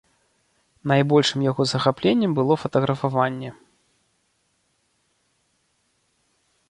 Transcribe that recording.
Найбольшым яго захапленнем было фатаграфаванне.